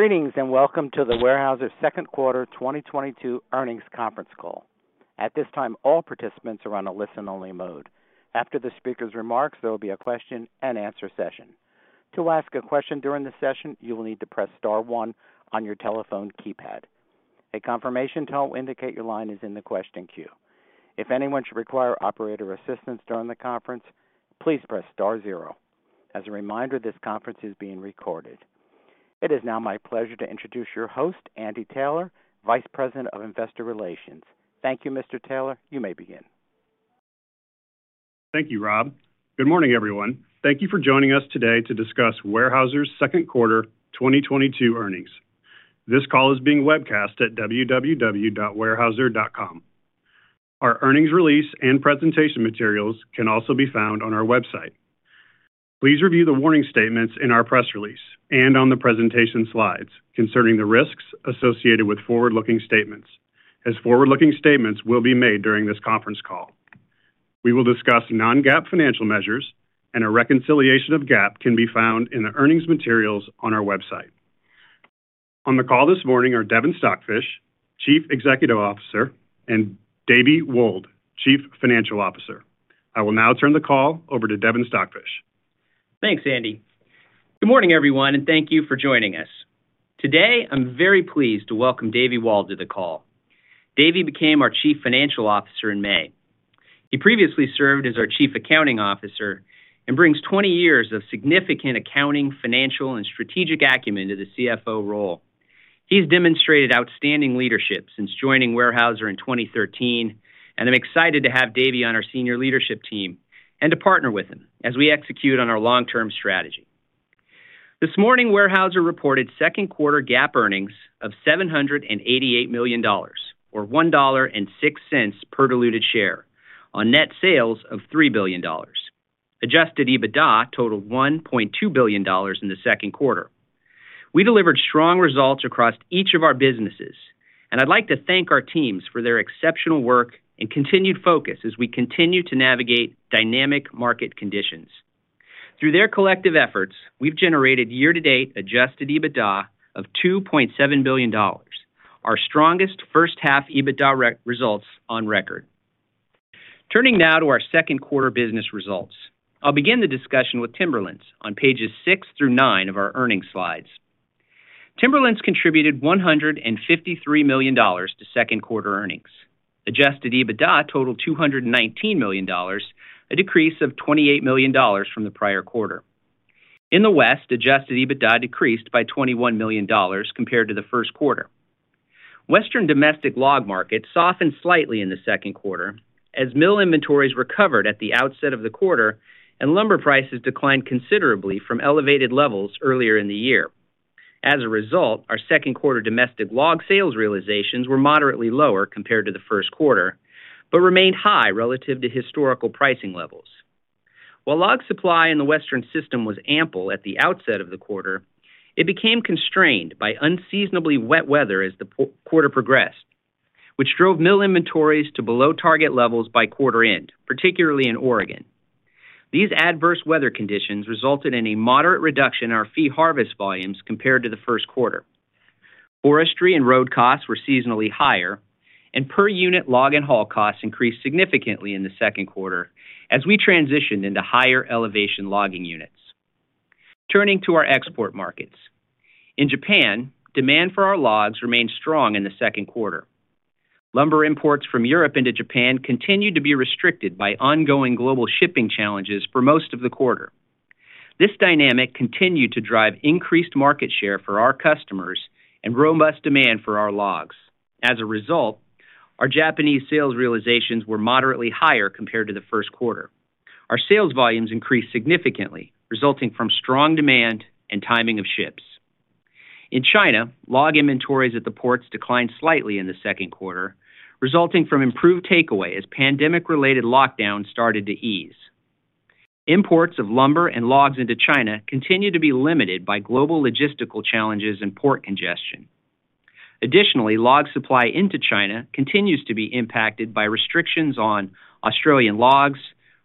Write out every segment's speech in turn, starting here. Greetings and welcome to the Weyerhaeuser second quarter 2022 earnings conference call. At this time, all participants are on a listen-only mode. After the speaker's remarks, there will be a question-and-answer session. To ask a question during the session, you will need to press star one on your telephone keypad. A confirmation tone will indicate your line is in the question queue. If anyone should require operator assistance during the conference, please press star zero. As a reminder, this conference is being recorded. It is now my pleasure to introduce your host, Andy Taylor, Vice President of Investor Relations. Thank you, Mr. Taylor. You may begin. Thank you, Rob. Good morning, everyone. Thank you for joining us today to discuss Weyerhaeuser's second quarter 2022 earnings. This call is being webcast at www.weyerhaeuser.com. Our earnings release and presentation materials can also be found on our website. Please review the warning statements in our press release and on the presentation slides concerning the risks associated with forward-looking statements, as forward-looking statements will be made during this conference call. We will discuss non-GAAP financial measures and a reconciliation of GAAP can be found in the earnings materials on our website. On the call this morning are Devin Stockfish, Chief Executive Officer, and David Wold, Chief Financial Officer. I will now turn the call over to Devin Stockfish. Thanks, Andy. Good morning, everyone, and thank you for joining us. Today, I'm very pleased to welcome David Wold to the call. David became our Chief Financial Officer in May. He previously served as our Chief Accounting Officer and brings 20 years of significant accounting, financial, and strategic acumen to the CFO role. He's demonstrated outstanding leadership since joining Weyerhaeuser in 2013, and I'm excited to have David on our senior leadership team and to partner with him as we execute on our long-term strategy. This morning, Weyerhaeuser reported second quarter GAAP earnings of $788 million or $1.06 per diluted share on net sales of $3 billion. Adjusted EBITDA totaled $1.2 billion in the second quarter. We delivered strong results across each of our businesses, and I'd like to thank our teams for their exceptional work and continued focus as we continue to navigate dynamic market conditions. Through their collective efforts, we've generated year-to-date adjusted EBITDA of $2.7 billion, our strongest first half EBITDA results on record. Turning now to our second quarter business results. I'll begin the discussion with Timberlands on pages six through nine of our earnings slides. Timberlands contributed $153 million to second quarter earnings. Adjusted EBITDA totaled $219 million, a decrease of $28 million from the prior quarter. In the West, adjusted EBITDA decreased by $21 million compared to the first quarter. Western domestic log markets softened slightly in the second quarter as mill inventories recovered at the outset of the quarter and lumber prices declined considerably from elevated levels earlier in the year. As a result, our second quarter domestic log sales realizations were moderately lower compared to the first quarter, but remained high relative to historical pricing levels. While log supply in the Western system was ample at the outset of the quarter, it became constrained by unseasonably wet weather as the quarter progressed, which drove mill inventories to below target levels by quarter end, particularly in Oregon. These adverse weather conditions resulted in a moderate reduction in our fee harvest volumes compared to the first quarter. Forestry and road costs were seasonally higher, and per unit log and haul costs increased significantly in the second quarter as we transitioned into higher elevation logging units. Turning to our export markets. In Japan, demand for our logs remained strong in the second quarter. Lumber imports from Europe into Japan continued to be restricted by ongoing global shipping challenges for most of the quarter. This dynamic continued to drive increased market share for our customers and robust demand for our logs. As a result, our Japanese sales realizations were moderately higher compared to the first quarter. Our sales volumes increased significantly, resulting from strong demand and timing of ships. In China, log inventories at the ports declined slightly in the second quarter, resulting from improved takeaway as pandemic-related lockdowns started to ease. Imports of lumber and logs into China continued to be limited by global logistical challenges and port congestion. Log supply into China continues to be impacted by restrictions on Australian logs,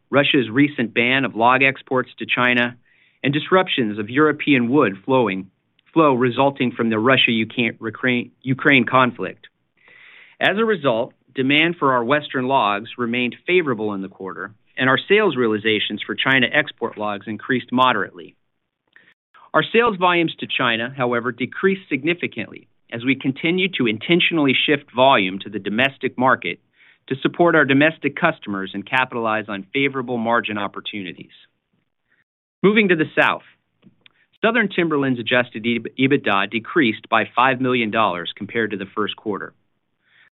Russia's recent ban of log exports to China, and disruptions of European wood flow resulting from the Russia-Ukraine conflict. As a result, demand for our Western logs remained favorable in the quarter, and our sales realizations for China export logs increased moderately. Our sales volumes to China, however, decreased significantly as we continued to intentionally shift volume to the domestic market to support our domestic customers and capitalize on favorable margin opportunities. Moving to the South. Southern Timberlands' adjusted EBITDA decreased by $5 million compared to the first quarter.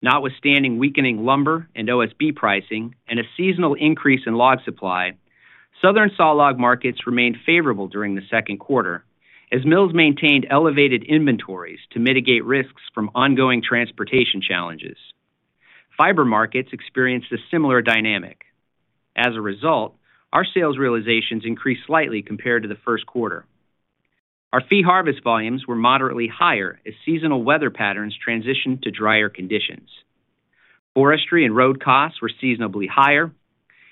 Notwithstanding weakening lumber and OSB pricing and a seasonal increase in log supply, Southern saw log markets remained favorable during the second quarter as mills maintained elevated inventories to mitigate risks from ongoing transportation challenges. Fiber markets experienced a similar dynamic. As a result, our sales realizations increased slightly compared to the first quarter. Our fee harvest volumes were moderately higher as seasonal weather patterns transitioned to drier conditions. Forestry and road costs were seasonably higher,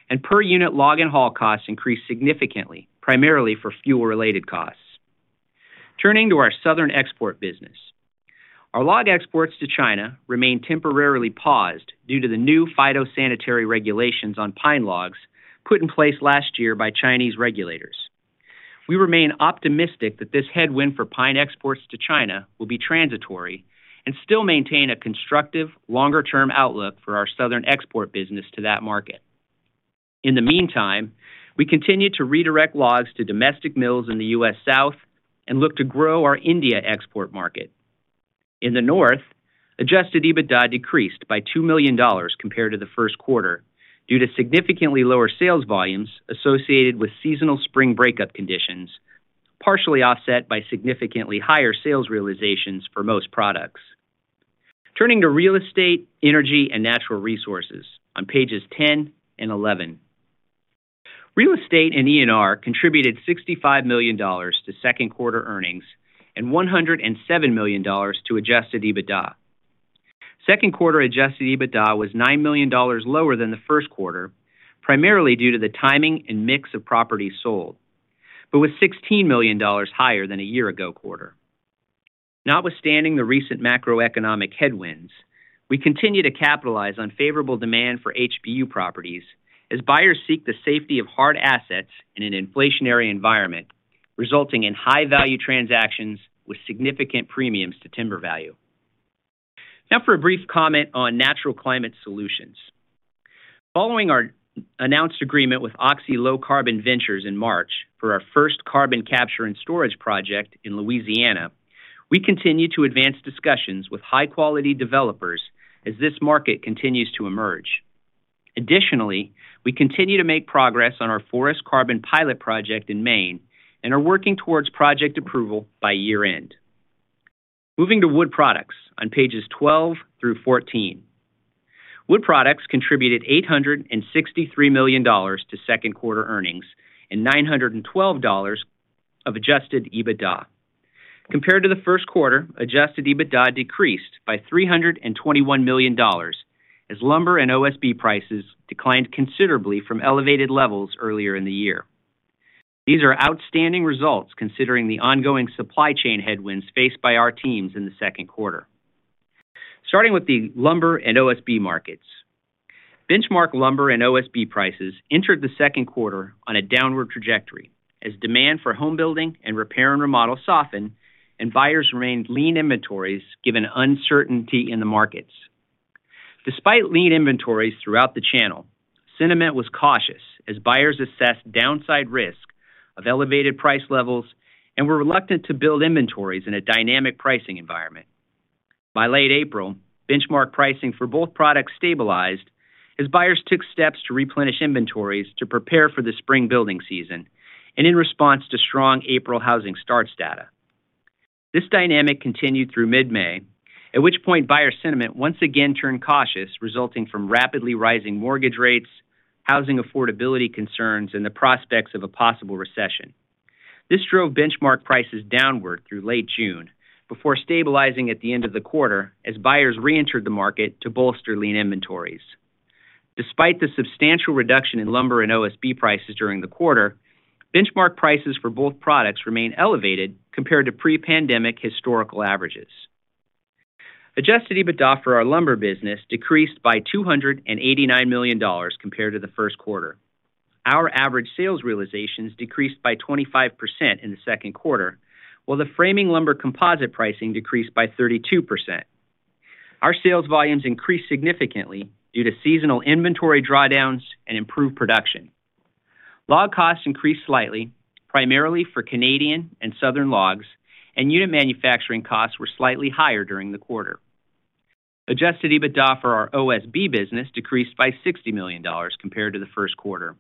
and per unit log and haul costs increased significantly, primarily for fuel-related costs. Turning to our southern export business. Our log exports to China remain temporarily paused due to the new phytosanitary regulations on pine logs put in place last year by Chinese regulators. We remain optimistic that this headwind for pine exports to China will be transitory and still maintain a constructive longer-term outlook for our southern export business to that market. In the meantime, we continue to redirect logs to domestic mills in the U.S. South and look to grow our India export market. In the North, adjusted EBITDA decreased by $2 million compared to the first quarter due to significantly lower sales volumes associated with seasonal spring breakup conditions, partially offset by significantly higher sales realizations for most products. Turning to real estate, energy, and natural resources on pages 10 and 11. Real estate and ENR contributed $65 million to second quarter earnings and $107 million to adjusted EBITDA. Second quarter adjusted EBITDA was $9 million lower than the first quarter, primarily due to the timing and mix of properties sold, but was $16 million higher than a year-ago quarter. Notwithstanding the recent macroeconomic headwinds, we continue to capitalize on favorable demand for HBU properties as buyers seek the safety of hard assets in an inflationary environment, resulting in high-value transactions with significant premiums to timber value. Now for a brief comment on Natural Climate Solutions. Following our announced agreement with Oxy Low Carbon Ventures in March for our first carbon capture and storage project in Louisiana, we continue to advance discussions with high-quality developers as this market continues to emerge. Additionally, we continue to make progress on our Forest Carbon Pilot project in Maine and are working towards project approval by year-end. Moving to Wood Products on pages 12 through 14. Wood Products contributed $863 million to second quarter earnings and $912 million of adjusted EBITDA. Compared to the first quarter, adjusted EBITDA decreased by $321 million as lumber and OSB prices declined considerably from elevated levels earlier in the year. These are outstanding results considering the ongoing supply chain headwinds faced by our teams in the second quarter. Starting with the lumber and OSB markets. Benchmark lumber and OSB prices entered the second quarter on a downward trajectory as demand for home building and repair and remodel softened and buyers maintained lean inventories given uncertainty in the markets. Despite lean inventories throughout the channel, sentiment was cautious as buyers assessed downside risk of elevated price levels and were reluctant to build inventories in a dynamic pricing environment. By late April, benchmark pricing for both products stabilized as buyers took steps to replenish inventories to prepare for the spring building season and in response to strong April housing starts data. This dynamic continued through mid-May, at which point buyer sentiment once again turned cautious, resulting from rapidly rising mortgage rates, housing affordability concerns, and the prospects of a possible recession. This drove benchmark prices downward through late June before stabilizing at the end of the quarter as buyers reentered the market to bolster lean inventories. Despite the substantial reduction in lumber and OSB prices during the quarter, benchmark prices for both products remain elevated compared to pre-pandemic historical averages. Adjusted EBITDA for our lumber business decreased by $289 million compared to the first quarter. Our average sales realizations decreased by 25% in the second quarter, while the framing lumber composite pricing decreased by 32%. Our sales volumes increased significantly due to seasonal inventory drawdowns and improved production. Log costs increased slightly, primarily for Canadian and Southern logs, and unit manufacturing costs were slightly higher during the quarter. Adjusted EBITDA for our OSB business decreased by $60 million compared to the first quarter.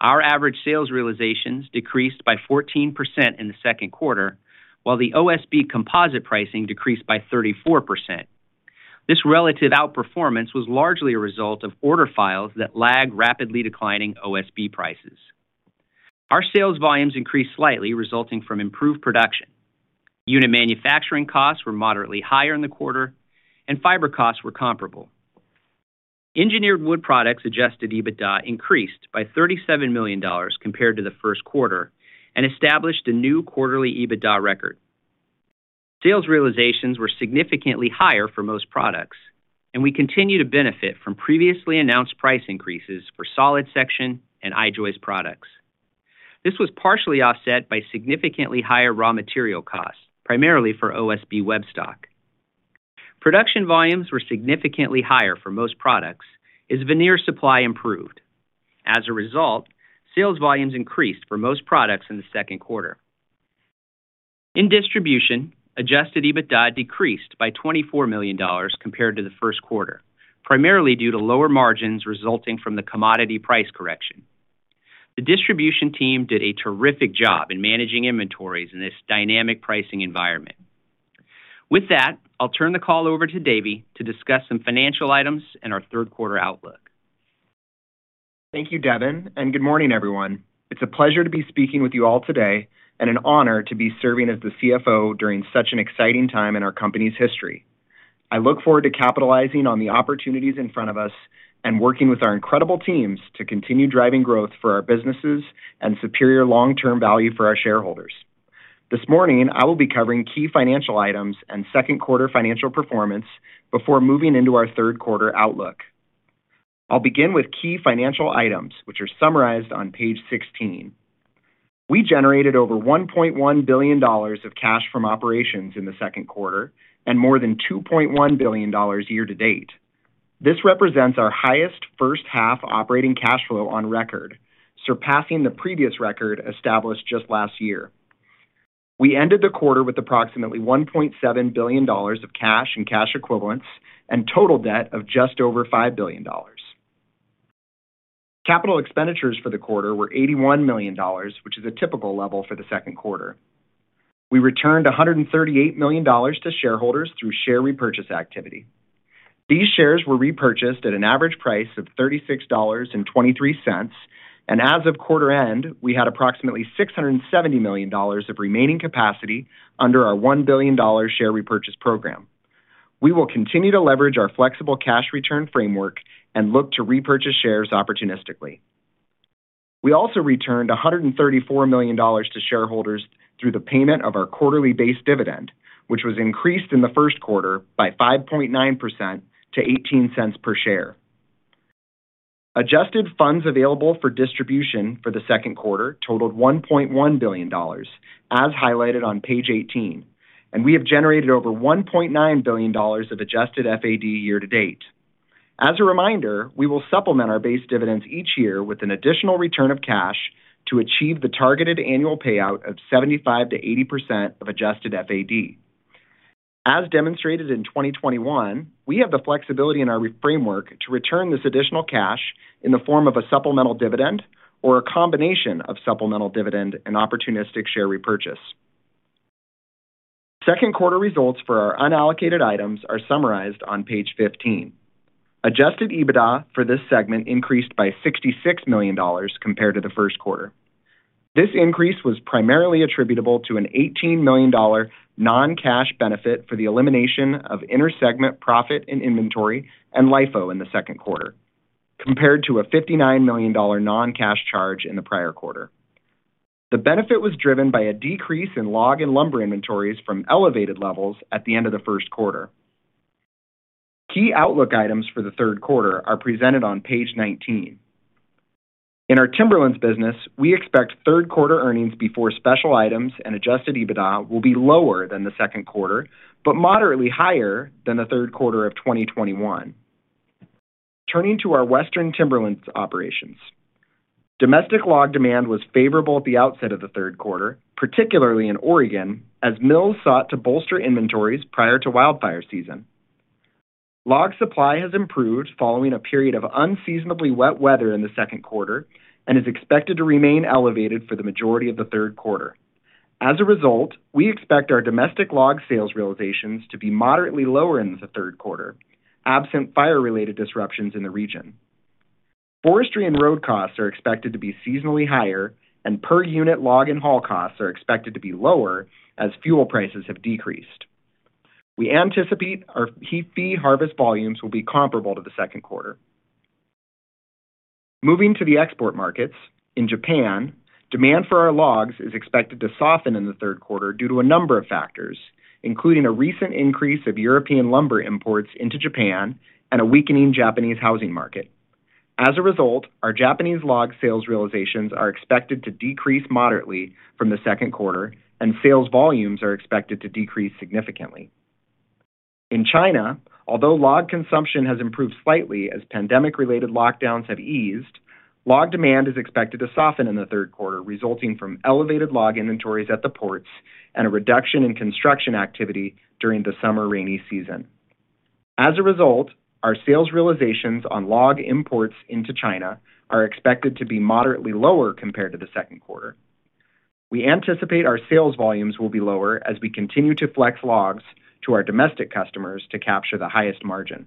Our average sales realizations decreased by 14% in the second quarter, while the OSB composite pricing decreased by 34%. This relative outperformance was largely a result of order files that lag rapidly declining OSB prices. Our sales volumes increased slightly, resulting from improved production. Unit manufacturing costs were moderately higher in the quarter, and fiber costs were comparable. Engineered wood products adjusted EBITDA increased by $37 million compared to the first quarter and established a new quarterly EBITDA record. Sales realizations were significantly higher for most products, and we continue to benefit from previously announced price increases for solid section and I-joist products. This was partially offset by significantly higher raw material costs, primarily for OSB web stock. Production volumes were significantly higher for most products as veneer supply improved. As a result, sales volumes increased for most products in the second quarter. In distribution, adjusted EBITDA decreased by $24 million compared to the first quarter, primarily due to lower margins resulting from the commodity price correction. The distribution team did a terrific job in managing inventories in this dynamic pricing environment. With that, I'll turn the call over to David to discuss some financial items and our third quarter outlook. Thank you, Devin, and good morning, everyone. It's a pleasure to be speaking with you all today, and an honor to be serving as the CFO during such an exciting time in our company's history. I look forward to capitalizing on the opportunities in front of us and working with our incredible teams to continue driving growth for our businesses and superior long-term value for our shareholders. This morning, I will be covering key financial items and second quarter financial performance before moving into our third quarter outlook. I'll begin with key financial items, which are summarized on page 16. We generated over $1.1 billion of cash from operations in the second quarter and more than $2.1 billion year-to-date. This represents our highest first half operating cash flow on record, surpassing the previous record established just last year. We ended the quarter with approximately $1.7 billion of cash and cash equivalents and total debt of just over $5 billion. Capital expenditures for the quarter were $81 million, which is a typical level for the second quarter. We returned $138 million to shareholders through share repurchase activity. These shares were repurchased at an average price of $36.23, and as of quarter end, we had approximately $670 million of remaining capacity under our $1 billion share repurchase program. We will continue to leverage our flexible cash return framework and look to repurchase shares opportunistically. We also returned $134 million to shareholders through the payment of our quarterly base dividend, which was increased in the first quarter by 5.9% to $0.18 per share. Adjusted funds available for distribution for the second quarter totaled $1.1 billion, as highlighted on page 18, and we have generated over $1.9 billion of adjusted FAD year-to-date. As a reminder, we will supplement our base dividends each year with an additional return of cash to achieve the targeted annual payout of 75%-80% of adjusted FAD. As demonstrated in 2021, we have the flexibility in our capital framework to return this additional cash in the form of a supplemental dividend or a combination of supplemental dividend and opportunistic share repurchase. Second quarter results for our unallocated items are summarized on page 15. Adjusted EBITDA for this segment increased by $66 million compared to the first quarter. This increase was primarily attributable to a $18 million non-cash benefit for the elimination of inter-segment profit and inventory and LIFO in the second quarter, compared to a $59 million non-cash charge in the prior quarter. The benefit was driven by a decrease in log and lumber inventories from elevated levels at the end of the first quarter. Key outlook items for the third quarter are presented on page 19. In our Timberlands business, we expect third quarter earnings before special items and adjusted EBITDA will be lower than the second quarter, but moderately higher than the third quarter of 2021. Turning to our Western Timberlands operations. Domestic log demand was favorable at the outset of the third quarter, particularly in Oregon, as mills sought to bolster inventories prior to wildfire season. Log supply has improved following a period of unseasonably wet weather in the second quarter and is expected to remain elevated for the majority of the third quarter. As a result, we expect our domestic log sales realizations to be moderately lower in the third quarter, absent fire-related disruptions in the region. Forestry and road costs are expected to be seasonally higher, and per unit log and haul costs are expected to be lower as fuel prices have decreased. We anticipate our fee harvest volumes will be comparable to the second quarter. Moving to the export markets. In Japan, demand for our logs is expected to soften in the third quarter due to a number of factors, including a recent increase of European lumber imports into Japan and a weakening Japanese housing market. As a result, our Japanese log sales realizations are expected to decrease moderately from the second quarter, and sales volumes are expected to decrease significantly. In China, although log consumption has improved slightly as pandemic-related lockdowns have eased, log demand is expected to soften in the third quarter, resulting from elevated log inventories at the ports and a reduction in construction activity during the summer rainy season. As a result, our sales realizations on log imports into China are expected to be moderately lower compared to the second quarter. We anticipate our sales volumes will be lower as we continue to flex logs to our domestic customers to capture the highest margin.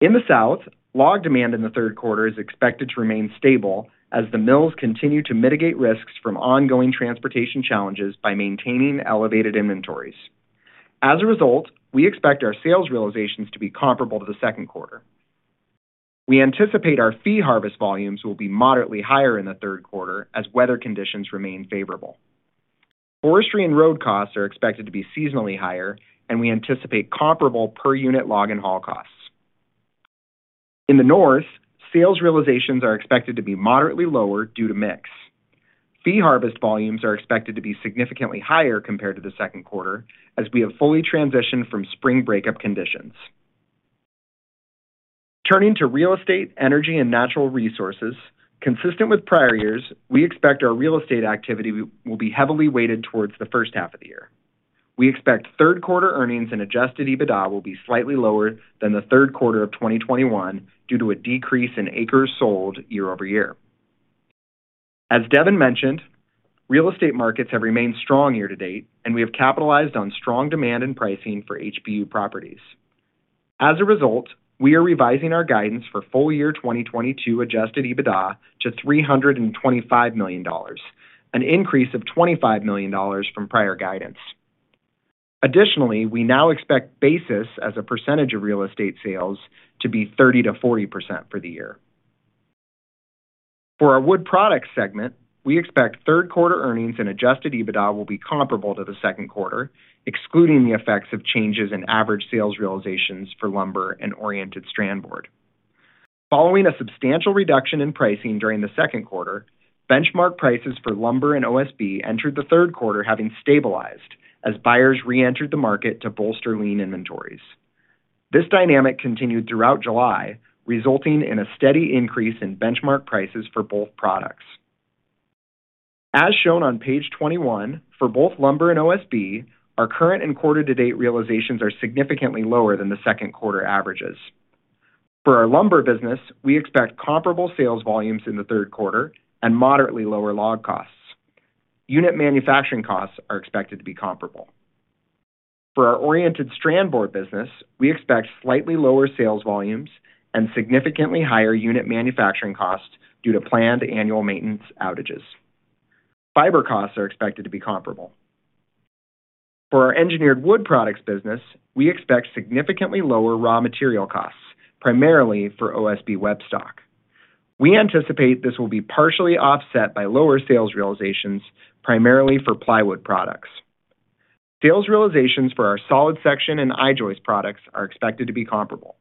In the South, log demand in the third quarter is expected to remain stable as the mills continue to mitigate risks from ongoing transportation challenges by maintaining elevated inventories. As a result, we expect our sales realizations to be comparable to the second quarter. We anticipate our fee harvest volumes will be moderately higher in the third quarter as weather conditions remain favorable. Forestry and road costs are expected to be seasonally higher, and we anticipate comparable per unit log and haul costs. In the North, sales realizations are expected to be moderately lower due to mix. Fee harvest volumes are expected to be significantly higher compared to the second quarter as we have fully transitioned from spring breakup conditions. Turning to real estate, energy, and natural resources. Consistent with prior years, we expect our real estate activity will be heavily weighted towards the first half of the year. We expect third quarter earnings and adjusted EBITDA will be slightly lower than the third quarter of 2021 due to a decrease in acres sold year-over-year. As Devin mentioned, real estate markets have remained strong year-to-date, and we have capitalized on strong demand in pricing for HBU properties. As a result, we are revising our guidance for full year 2022 adjusted EBITDA to $325 million, an increase of $25 million from prior guidance. Additionally, we now expect basis as a percentage of real estate sales to be 30%-40% for the year. For our wood products segment, we expect third quarter earnings and adjusted EBITDA will be comparable to the second quarter, excluding the effects of changes in average sales realizations for lumber and oriented strand board. Following a substantial reduction in pricing during the second quarter, benchmark prices for lumber and OSB entered the third quarter having stabilized as buyers reentered the market to bolster lean inventories. This dynamic continued throughout July, resulting in a steady increase in benchmark prices for both products. As shown on page 21, for both lumber and OSB, our current and quarter-to-date realizations are significantly lower than the second quarter averages. For our lumber business, we expect comparable sales volumes in the third quarter and moderately lower log costs. Unit manufacturing costs are expected to be comparable. For our oriented strand board business, we expect slightly lower sales volumes and significantly higher unit manufacturing costs due to planned annual maintenance outages. Fiber costs are expected to be comparable. For our engineered wood products business, we expect significantly lower raw material costs, primarily for OSB web stock. We anticipate this will be partially offset by lower sales realizations, primarily for plywood products. Sales realizations for our solid section and I-joist products are expected to be comparable.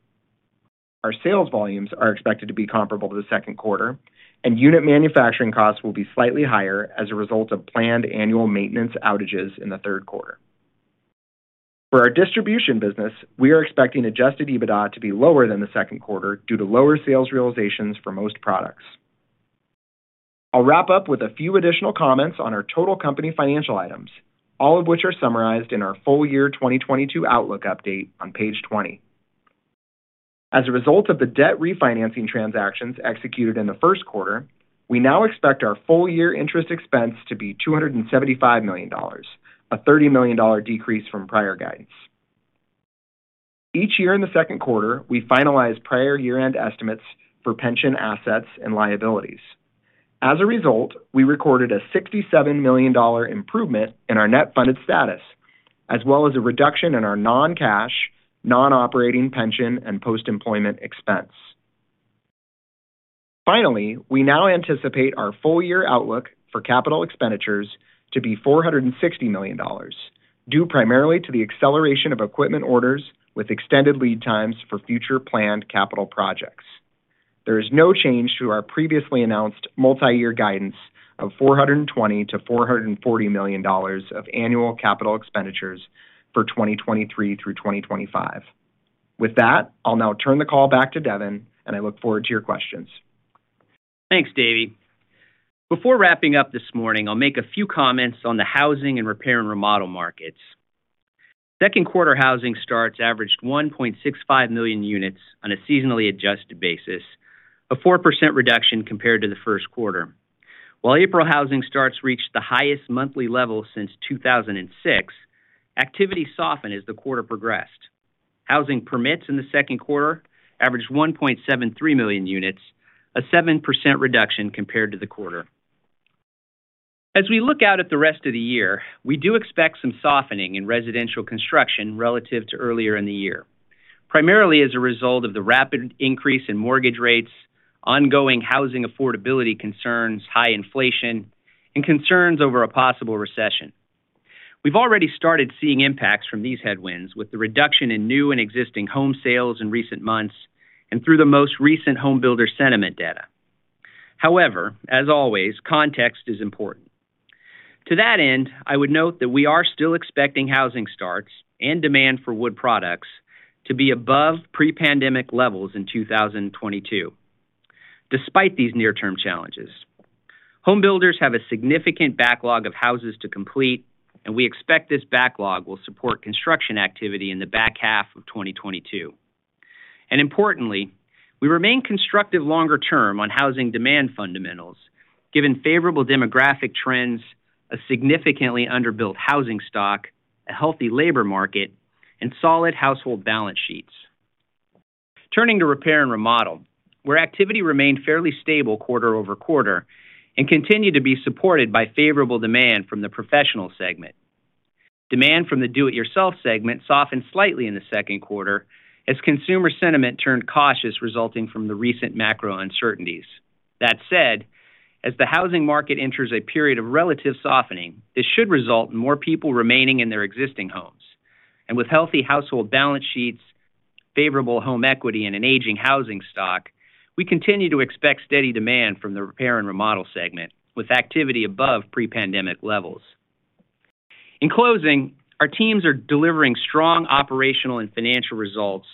Our sales volumes are expected to be comparable to the second quarter, and unit manufacturing costs will be slightly higher as a result of planned annual maintenance outages in the third quarter. For our distribution business, we are expecting adjusted EBITDA to be lower than the second quarter due to lower sales realizations for most products. I'll wrap up with a few additional comments on our total company financial items, all of which are summarized in our full year 2022 outlook update on page 20. As a result of the debt refinancing transactions executed in the first quarter, we now expect our full year interest expense to be $275 million, a $30 million decrease from prior guidance. Each year in the second quarter, we finalize prior year-end estimates for pension assets and liabilities. As a result, we recorded a $67 million improvement in our net funded status, as well as a reduction in our non-cash, non-operating pension and post-employment expense. Finally, we now anticipate our full year outlook for capital expenditures to be $460 million, due primarily to the acceleration of equipment orders with extended lead times for future planned capital projects. There is no change to our previously announced multi-year guidance of $420 million-$440 million of annual capital expenditures for 2023 through 2025. With that, I'll now turn the call back to Devin, and I look forward to your questions. Thanks, David. Before wrapping up this morning, I'll make a few comments on the housing and repair and remodel markets. Second quarter housing starts averaged 1.65 million units on a seasonally adjusted basis, a 4% reduction compared to the first quarter. While April housing starts reached the highest monthly level since 2006, activity softened as the quarter progressed. Housing permits in the second quarter averaged 1.73 million units, a 7% reduction compared to the quarter. As we look out at the rest of the year, we do expect some softening in residential construction relative to earlier in the year, primarily as a result of the rapid increase in mortgage rates, ongoing housing affordability concerns, high inflation, and concerns over a possible recession. We've already started seeing impacts from these headwinds with the reduction in new and existing home sales in recent months and through the most recent home builder sentiment data. However, as always, context is important. To that end, I would note that we are still expecting housing starts and demand for wood products to be above pre-pandemic levels in 2022, despite these near-term challenges. Home builders have a significant backlog of houses to complete, and we expect this backlog will support construction activity in the back half of 2022. Importantly, we remain constructive longer term on housing demand fundamentals given favorable demographic trends, a significantly under-built housing stock, a healthy labor market, and solid household balance sheets. Turning to repair and remodel, where activity remained fairly stable quarter-over-quarter and continued to be supported by favorable demand from the professional segment. Demand from the do-it-yourself segment softened slightly in the second quarter as consumer sentiment turned cautious resulting from the recent macro uncertainties. That said, as the housing market enters a period of relative softening, this should result in more people remaining in their existing homes. With healthy household balance sheets, favorable home equity, and an aging housing stock, we continue to expect steady demand from the repair and remodel segment with activity above pre-pandemic levels. In closing, our teams are delivering strong operational and financial results.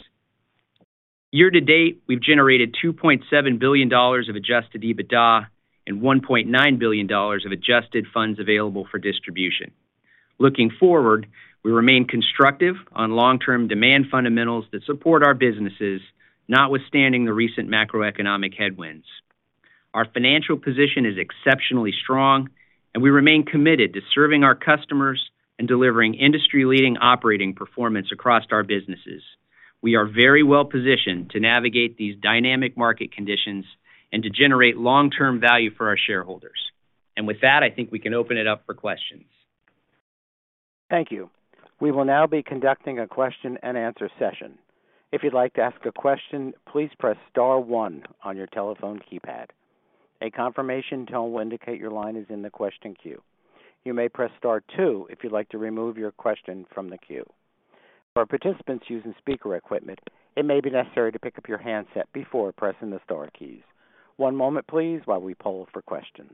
Year to date, we've generated $2.7 billion of adjusted EBITDA and $1.9 billion of adjusted funds available for distribution. Looking forward, we remain constructive on long-term demand fundamentals that support our businesses notwithstanding the recent macroeconomic headwinds. Our financial position is exceptionally strong, and we remain committed to serving our customers and delivering industry-leading operating performance across our businesses. We are very well positioned to navigate these dynamic market conditions and to generate long-term value for our shareholders. With that, I think we can open it up for questions. Thank you. We will now be conducting a question and answer session. If you'd like to ask a question, please press star one on your telephone keypad. A confirmation tone will indicate your line is in the question queue. You may press star two if you'd like to remove your question from the queue. For participants using speaker equipment, it may be necessary to pick up your handset before pressing the star keys. One moment please while we poll for questions.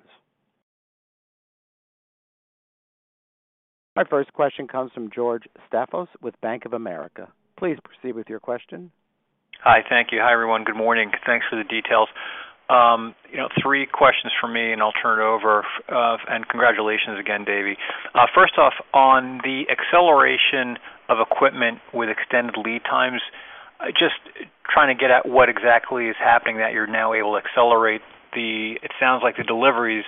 My first question comes from George Staphos with Bank of America Merrill Lynch. Please proceed with your question. Hi. Thank you. Hi, everyone. Good morning. Thanks for the details. You know, three questions from me, and I'll turn it over. Congratulations again, Davey. First off, on the acceleration of equipment with extended lead times, just trying to get at what exactly is happening that you're now able to accelerate. It sounds like the deliveries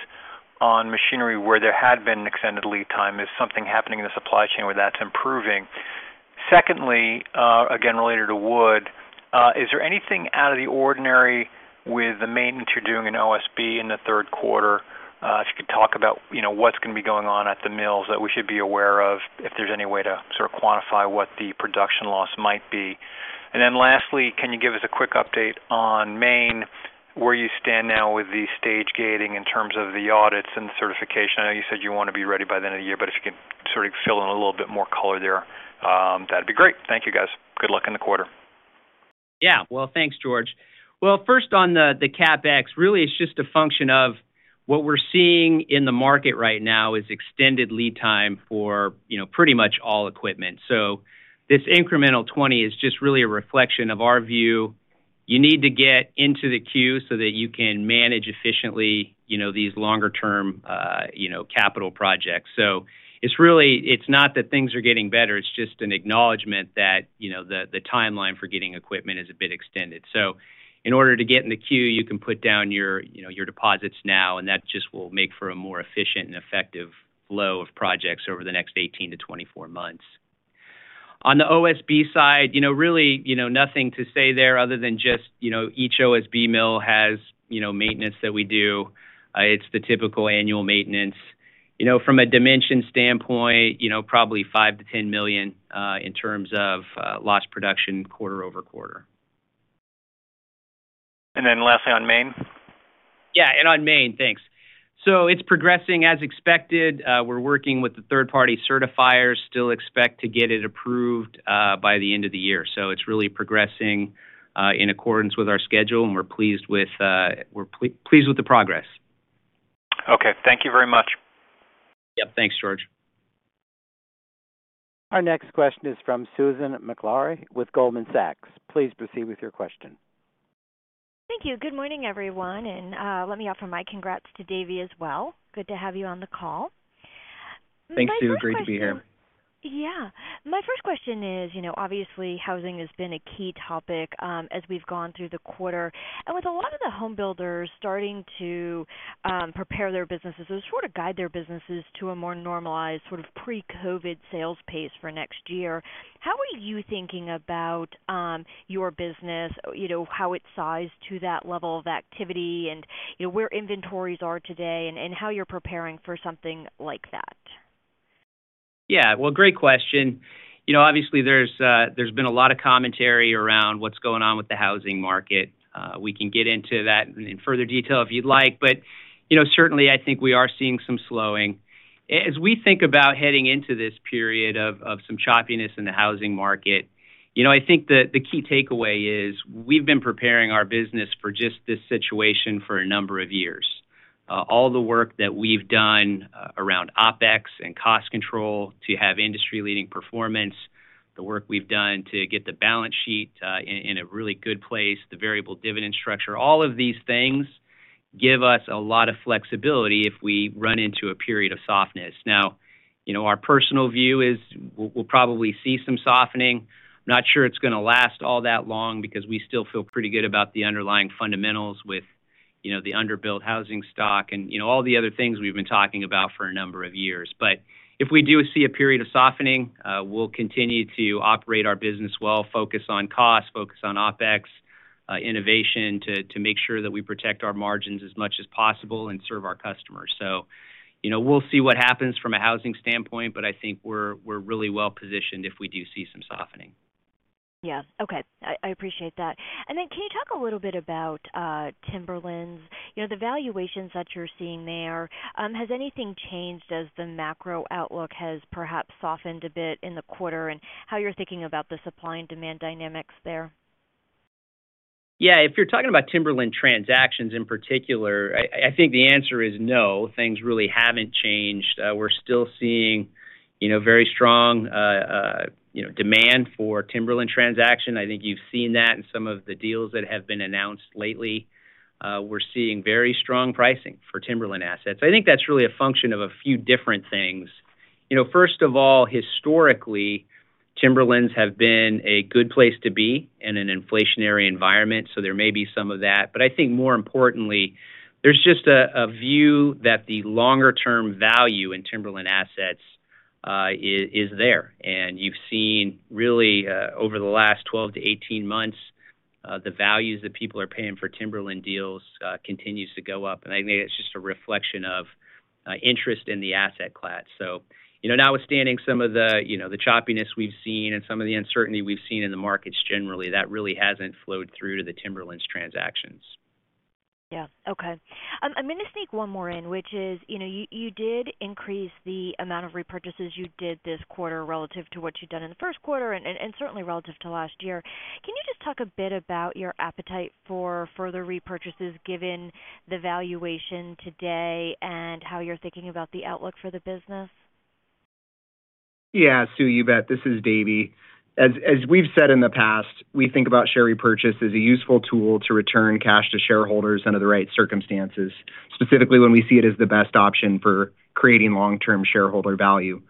on machinery where there had been an extended lead time. Is something happening in the supply chain where that's improving? Secondly, again, related to wood, is there anything out of the ordinary with the maintenance you're doing in OSB in the third quarter? If you could talk about, you know, what's gonna be going on at the mills that we should be aware of, if there's any way to sort of quantify what the production loss might be? Lastly, can you give us a quick update on Maine, where you stand now with the stage gating in terms of the audits and certification? I know you said you wanna be ready by the end of the year, but if you could sort of fill in a little bit more color there, that'd be great. Thank you, guys. Good luck in the quarter. Yeah. Well, thanks, George. Well, first on the CapEx, really it's just a function of what we're seeing in the market right now is extended lead time for, pretty much all equipment. So this incremental $20 is just really a reflection of our view. You need to get into the queue so that you can manage efficiently, you know, these longer term, capital projects. So it's really, it's not that things are getting better, it's just an acknowledgement that, the timeline for getting equipment is a bit extended. So in order to get in the queue, you can put down your deposits now, and that just will make for a more efficient and effective flow of projects over the next 18-24 months. On the OSB side, really, nothing to say there other than just, each OSB mill has, maintenance that we do. It's the typical annual maintenance. You know, from a dimension standpoint, probably $5 million-$10 million in terms of lost production quarter-over-quarter. Lastly on Maine. On Maine. Thanks. It's progressing as expected. We're working with the third-party certifiers. Still expect to get it approved by the end of the year. It's really progressing in accordance with our schedule, and we're pleased with the progress. Okay. Thank you very much. Yep. Thanks, George. Our next question is from Susan Maklari with Goldman Sachs. Please proceed with your question. Thank you. Good morning, everyone, and let me offer my congrats to Davey as well. Good to have you on the call. Thanks, Susan. Great to be here. Yeah. My first question is, obviously, housing has been a key topic, as we've gone through the quarter. With a lot of the home builders starting to prepare their businesses or sort of guide their businesses to a more normalized sort of pre-COVID sales pace for next year, how are you thinking about your business, how it's sized to that level of activity and, where inventories are today and how you're preparing for something like that? Yeah. Well, great question. You know, obviously, there's been a lot of commentary around what's going on with the housing market. We can get into that in further detail if you'd like. You know, certainly, I think we are seeing some slowing. As we think about heading into this period of some choppiness in the housing market, I think the key takeaway is we've been preparing our business for just this situation for a number of years. All the work that we've done around OpEx and cost control to have industry-leading performance, the work we've done to get the balance sheet in a really good place, the variable dividend structure, all of these things give us a lot of flexibility if we run into a period of softness. Now, our personal view is we'll probably see some softening. Not sure it's gonna last all that long because we still feel pretty good about the underlying fundamentals with, the under-built housing stock and, all the other things we've been talking about for a number of years. If we do see a period of softening, we'll continue to operate our business well, focus on cost, focus on OpEx, innovation to make sure that we protect our margins as much as possible and serve our customers. We'll see what happens from a housing standpoint, but I think we're really well positioned if we do see some softening. Yeah. Okay. I appreciate that. Then can you talk a little bit about Timberlands'? You know, the valuations that you're seeing there, has anything changed as the macro outlook has perhaps softened a bit in the quarter, and how you're thinking about the supply and demand dynamics there? Yeah. If you're talking about Timberlands transactions in particular, I think the answer is no, things really haven't changed. We're still seeing very strong demand for Timberlands transactions. I think you've seen that in some of the deals that have been announced lately. We're seeing very strong pricing for Timberlands assets. I think that's really a function of a few different things. First of all, historically, Timberlands have been a good place to be in an inflationary environment, so there may be some of that. I think more importantly, there's just a view that the longer term value in Timberlands assets is there. You've seen really, over the last 12 months-18 months, the values that people are paying for Timberlands deals, continues to go up, and I think it's just a reflection of, interest in the asset class. Notwithstanding some of the choppiness we've seen and some of the uncertainty we've seen in the markets generally, that really hasn't flowed through to the Timberlands transactions. Okay. I'm gonna sneak one more in, which is, you know, you did increase the amount of repurchases you did this quarter relative to what you'd done in the first quarter and certainly relative to last year. Can you just talk a bit about your appetite for further repurchases given the valuation today and how you're thinking about the outlook for the business? Yeah, Sue, you bet. This is David. As we've said in the past, we think about share repurchase as a useful tool to return cash to shareholders under the right circumstances, specifically when we see it as the best option for creating long-term shareholder value.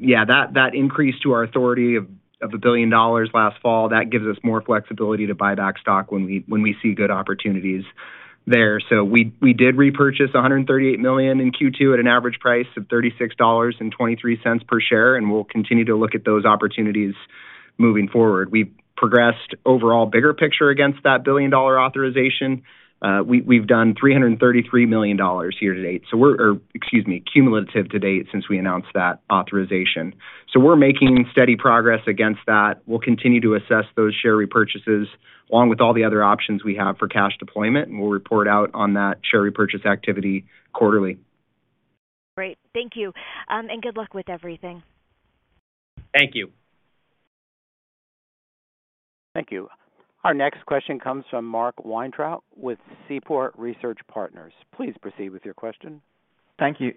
Yeah, that increase to our authority of $1 billion last fall, that gives us more flexibility to buy back stock when we see good opportunities there. We did repurchase $138 million in Q2 at an average price of $36.23 per share, and we'll continue to look at those opportunities moving forward. We progressed overall bigger picture against that billion-dollar authorization. We've done $333 million year to date, or excuse me, cumulative to date since we announced that authorization. We're making steady progress against that. We'll continue to assess those share repurchases along with all the other options we have for cash deployment, and we'll report out on that share repurchase activity quarterly. Great. Thank you. Good luck with everything. Thank you. Thank you. Our next question comes from Mark Weintraub with Seaport Research Partners. Please proceed with your question. Thank you.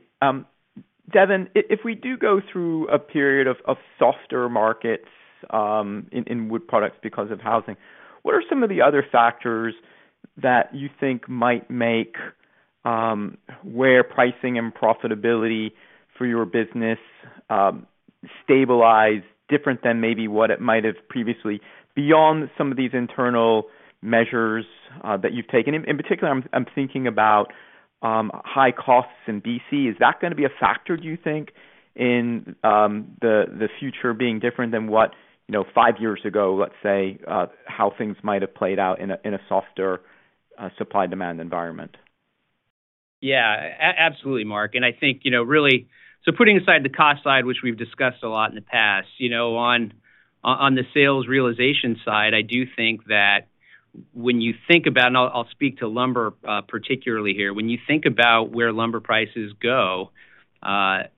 Devin, if we do go through a period of softer markets in wood products because of housing, what are some of the other factors that you think might make where pricing and profitability for your business stabilize different than maybe what it might have previously beyond some of these internal measures that you've taken? In particular, I'm thinking about high costs in BC. Is that gonna be a factor, do you think, in the future being different than what, you know, five years ago, let's say, how things might have played out in a softer supply-demand environment? Yeah. Absolutely, Mark. I think, putting aside the cost side, which we've discussed a lot in the past, on the sales realization side, I do think that when you think about, and I'll speak to lumber particularly here. When you think about where lumber prices go,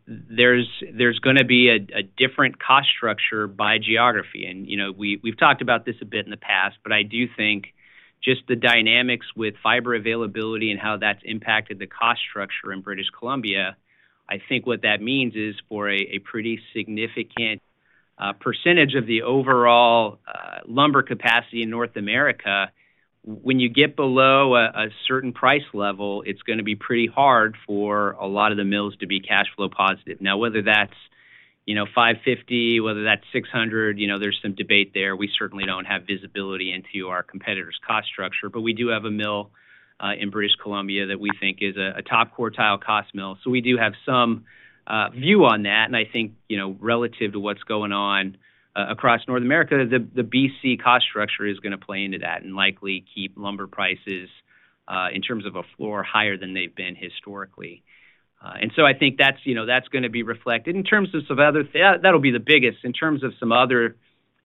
there's gonna be a different cost structure by geography. We've talked about this a bit in the past, but I do think just the dynamics with fiber availability and how that's impacted the cost structure in British Columbia. I think what that means is for a pretty significant percentage of the overall lumber capacity in North America, when you get below a certain price level, it's gonna be pretty hard for a lot of the mills to be cash flow positive. Now, whether that's, $550, whether that's $600, you know, there's some debate there. We certainly don't have visibility into our competitors' cost structure. We do have a mill in British Columbia that we think is a top quartile cost mill. We do have some view on that. I think relative to what's going on across North America, the BC cost structure is gonna play into that and likely keep lumber prices, in terms of a floor, higher than they've been historically. I think that's gonna be reflected. That'll be the biggest. In terms of some other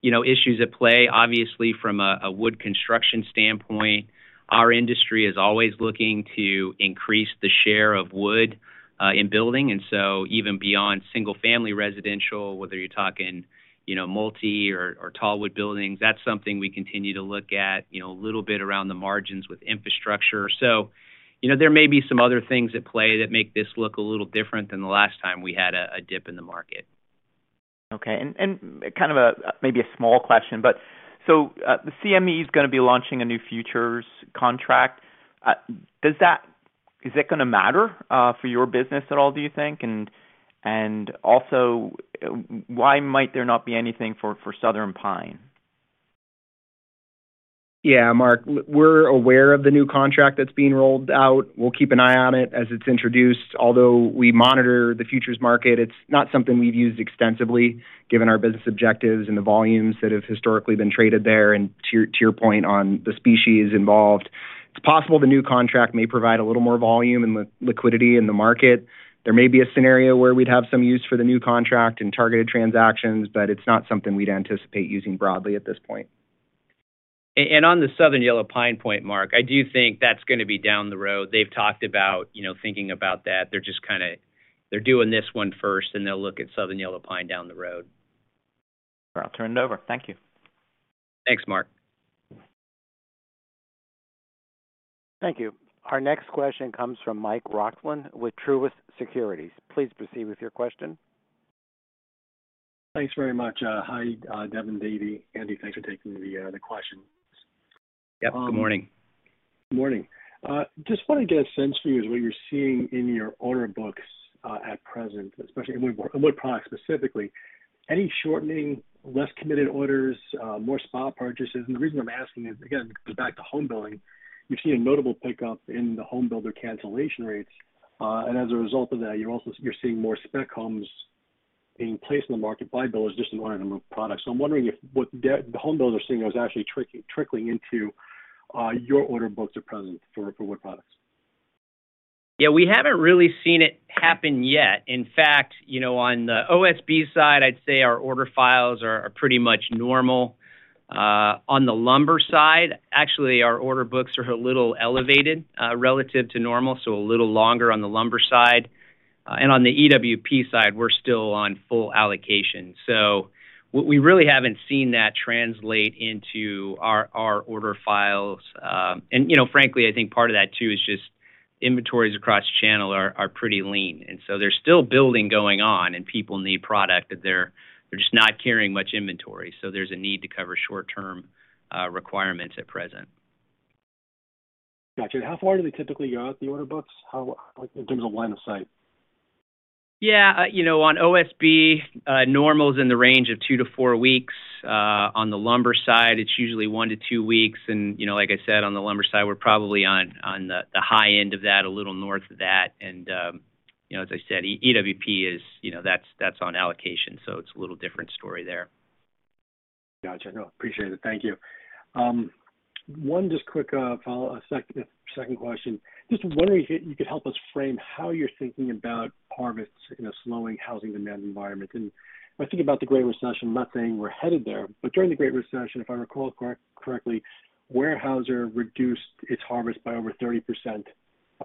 issues at play, obviously from a wood construction standpoint, our industry is always looking to increase the share of wood in building. Even beyond single-family residential, whether you're talking, multi or tall wood buildings, that's something we continue to look at, a little bit around the margins with infrastructure. There may be some other things at play that make this look a little different than the last time we had a dip in the market. Kind of a maybe a small question, the CME is gonna be launching a new futures contract. Is that gonna matter for your business at all, do you think? Also, why might there not be anything for Southern Pine? Yeah, Mark. We're aware of the new contract that's being rolled out. We'll keep an eye on it as it's introduced. Although we monitor the futures market, it's not something we've used extensively given our business objectives and the volumes that have historically been traded there and to your point on the species involved. It's possible the new contract may provide a little more volume and liquidity in the market. There may be a scenario where we'd have some use for the new contract and targeted transactions, but it's not something we'd anticipate using broadly at this point. On the Southern Yellow Pine point, Mark, I do think that's gonna be down the road. They've talked about thinking about that. They're just kinda, they're doing this one first, and they'll look at Southern Yellow Pine down the road. I'll turn it over. Thank you. Thanks, Mark. Thank you. Our next question comes from Michael Roxland with Truist Securities. Please proceed with your question. Thanks very much. Hi, Devin, Davey, Andy, thanks for taking the questions. Yep. Good morning. Good morning. Just want to get a sense for you is what you're seeing in your order books at present, especially in wood products, specifically, any shortening, less committed orders, more spot purchases? The reason I'm asking is, again, goes back to home building. You're seeing a notable pickup in the home builder cancellation rates, and as a result of that, you're also seeing more spec homes being placed in the market by builders just in line of products. I'm wondering if what the home builders are seeing is actually trickling into your order books at present for wood products. Yeah, we haven't really seen it happen yet. In fact, on the OSB side, I'd say our order files are pretty much normal. On the lumber side, actually, our order books are a little elevated, relative to normal, so a little longer on the lumber side. On the EWP side, we're still on full allocation. We really haven't seen that translate into our order files. Frankly, I think part of that, too, is just inventories across channel are pretty lean, and so there's still building going on and people need product, but they're just not carrying much inventory. There's a need to cover short-term requirements at present. Got you. How far do they typically go out on the order books? How, like, in terms of line of sight? Yeah, on OSB, normal is in the range of two-four weeks. On the lumber side, it's usually one-two weeks. You know, like I said, on the lumber side, we're probably on the high end of that, a little north of that. As I said, EWP is, you know, that's on allocation, so it's a little different story there. Got you. No, appreciate it. Thank you. One just quick follow, a second question. Just wondering if you could help us frame how you're thinking about harvests in a slowing housing demand environment. I think about the Great Recession, not saying we're headed there, but during the Great Recession, if I recall correctly, Weyerhaeuser reduced its harvest by over 30%,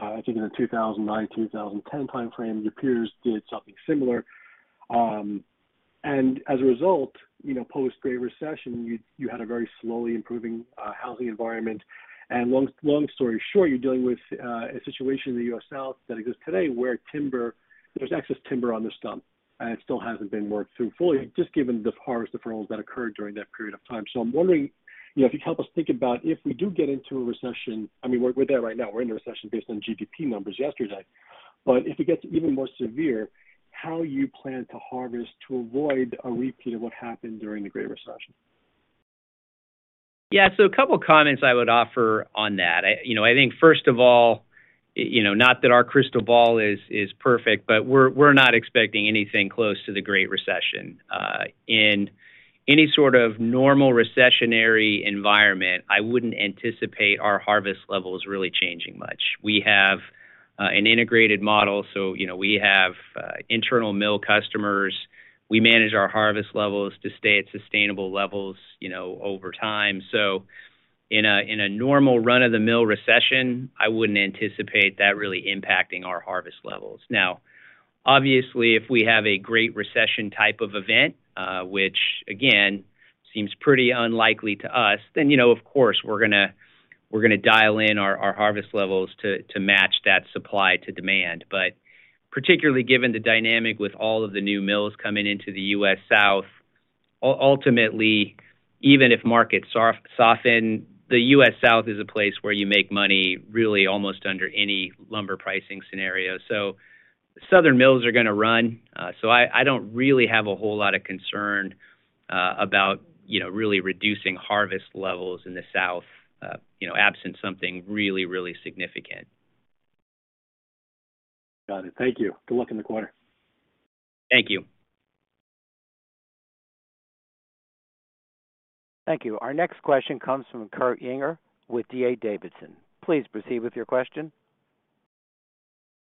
I think, in the 2009-2010 timeframe. Their peers did something similar. As a result, you know, post-Great Recession, you had a very slowly improving housing environment. Long, long story short, you're dealing with a situation in the U.S. South that exists today where there's excess timber on the stump, and it still hasn't been worked through fully just given the harvest deferrals that occurred during that period of time. I'm wondering if you could help us think about if we do get into a recession, I mean, we're there right now. We're in a recession based on GDP numbers yesterday. If it gets even more severe, how you plan to harvest to avoid a repeat of what happened during the Great Recession? Yeah. A couple of comments I would offer on that. I think first of all, not that our crystal ball is perfect, but we're not expecting anything close to the Great Recession. In any sort of normal recessionary environment, I wouldn't anticipate our harvest levels really changing much. We have an integrated model, so you know, we have internal mill customers. We manage our harvest levels to stay at sustainable levels, you know, over time. In a normal run-of-the-mill recession, I wouldn't anticipate that really impacting our harvest levels. Now, obviously, if we have a Great Recession type of event, which again seems pretty unlikely to us, then of course, we're gonna dial in our harvest levels to match that supply to demand. Particularly given the dynamic with all of the new mills coming into the U.S. South, ultimately, even if markets soften, the U.S. South is a place where you make money really almost under any lumber pricing scenario. Southern mills are going to run. I don't really have a whole lot of concern about, you know, really reducing harvest levels in the South, you know, absent something really significant. Got it. Thank you. Good luck in the quarter. Thank you. Thank you. Our next question comes from Kurt Yinger with D.A. Davidson. Please proceed with your question.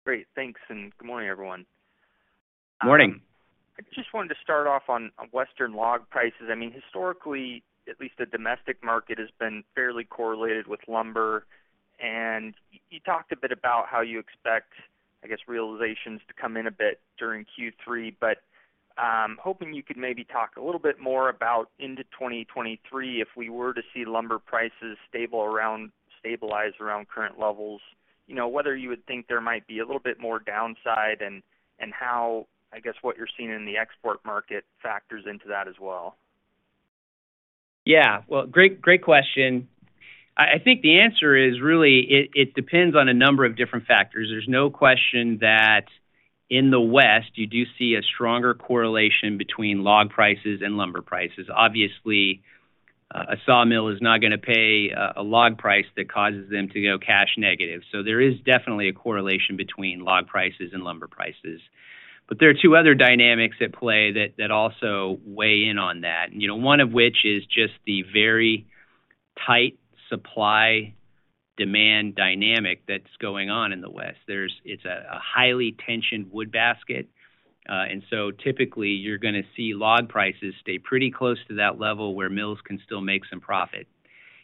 Great. Thanks, and good morning, everyone. Morning. I just wanted to start off on Western log prices. I mean, historically, at least the domestic market has been fairly correlated with lumber. You talked a bit about how you expect, I guess, realizations to come in a bit during Q3, but I'm hoping you could maybe talk a little bit more about into 2023 if we were to see lumber prices stabilize around current levels, you know, whether you would think there might be a little bit more downside and how, I guess, what you're seeing in the export market factors into that as well. Yeah. Well, great question. I think the answer is really it depends on a number of different factors. There's no question that in the West you do see a stronger correlation between log prices and lumber prices. Obviously, a sawmill is not gonna pay a log price that causes them to go cash negative. So there is definitely a correlation between log prices and lumber prices. But there are two other dynamics at play that also weigh in on that. One of which is just the very tight supply-demand dynamic that's going on in the West. It's a highly tensioned wood basket, and so typically you're gonna see log prices stay pretty close to that level where mills can still make some profit.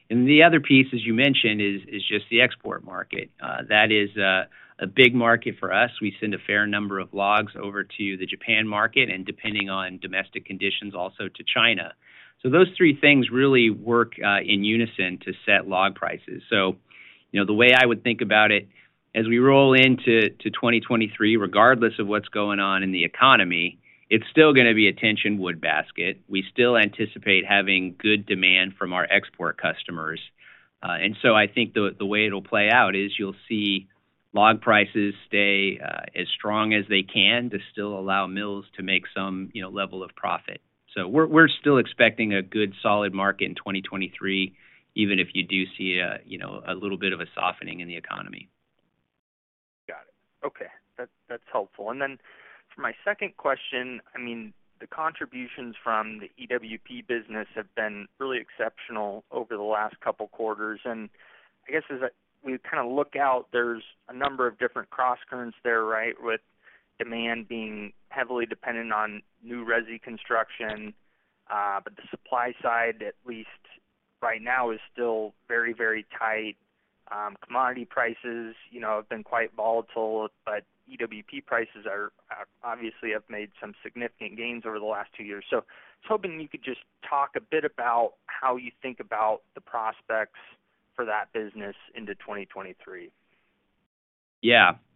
The other piece, as you mentioned, is just the export market. That is a big market for us. We send a fair number of logs over to the Japan market and depending on domestic conditions, also to China. Those three things really work in unison to set log prices. The way I would think about it, as we roll into 2023, regardless of what's going on in the economy, it's still gonna be a tension wood basket. We still anticipate having good demand from our export customers. I think the way it'll play out is you'll see log prices stay as strong as they can to still allow mills to make some level of profit. We're still expecting a good solid market in 2023, even if you do see a little bit of a softening in the economy. Got it. Okay. That's helpful. For my second question, I mean, the contributions from the EWP business have been really exceptional over the last couple quarters. I guess we kind of look out, there's a number of different crosscurrents there, right? With demand being heavily dependent on new resi construction. The supply side, at least right now, is still very, very tight. Commodity prices have been quite volatile, but EWP prices obviously have made some significant gains over the last two years. I was hoping you could just talk a bit about how you think about the prospects for that business into 2023.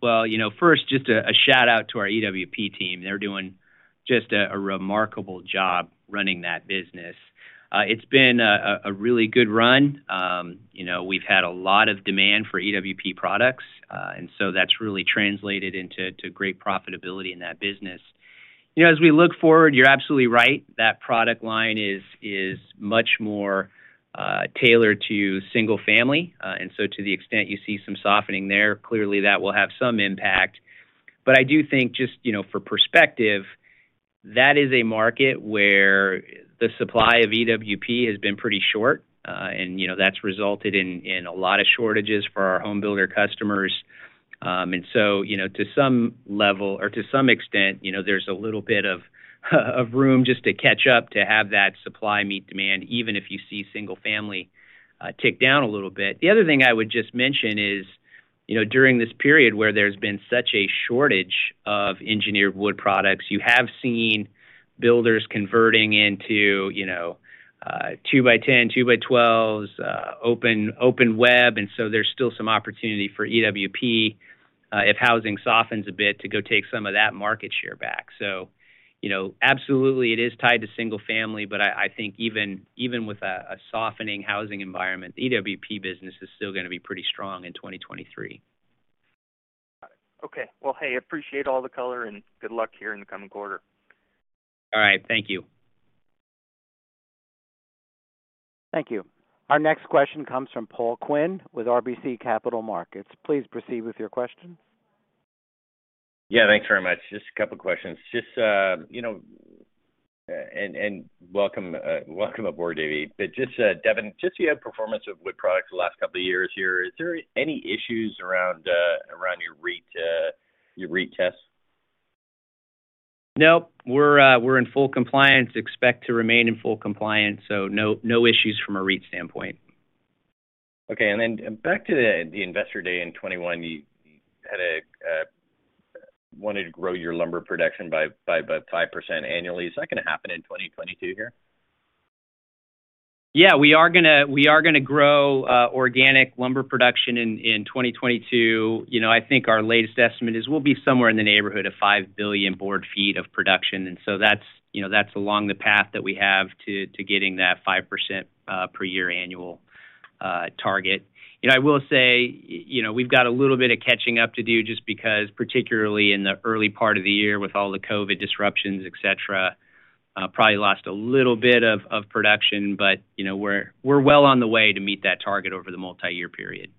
Well, first, just a shout-out to our EWP team. They're doing just a remarkable job running that business. It's been a really good run. We've had a lot of demand for EWP products, and so that's really translated into great profitability in that business. As we look forward, you're absolutely right, that product line is much more tailored to single family. To the extent you see some softening there, clearly that will have some impact. I do think just for perspective, that is a market where the supply of EWP has been pretty short, and that's resulted in a lot of shortages for our home builder customers. To some level or to some extent, there's a little bit of room just to catch up to have that supply meet demand, even if you see single family tick down a little bit. The other thing I would just mention is, during this period where there's been such a shortage of engineered wood products, you have seen builders converting into, 2 x 10, 2 x 12, open web, and so there's still some opportunity for EWP, if housing softens a bit, to go take some of that market share back. You know, absolutely it is tied to single family, but I think even with a softening housing environment, the EWP business is still gonna be pretty strong in 2023. Got it. Okay. Well, hey, appreciate all the color, and good luck here in the coming quarter. All right. Thank you. Thank you. Our next question comes from Paul Quinn with RBC Capital Markets. Please proceed with your question. Yeah, thanks very much. Just a couple questions. Just you know, and welcome aboard, Davey. Just, Devin, just the performance of Wood Products the last couple of years here, is there any issues around your REIT test? Nope. We're in full compliance. Expect to remain in full compliance, so no issues from a REIT standpoint. Okay. Back to the Investor Day in 2021, you had wanted to grow your lumber production by about 5% annually. Is that gonna happen in 2022 here? Yeah. We are gonna grow organic lumber production in 2022. I think our latest estimate is we'll be somewhere in the neighborhood of 5 billion board ft of production, and so that's along the path that we have to getting that 5% per year annual target. I will say we've got a little bit of catching up to do just because particularly in the early part of the year with all the COVID disruptions, et cetera, probably lost a little bit of production, but we're well on the way to meet that target over the multi-year period.